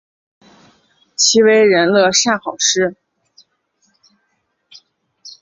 其为人乐善好施。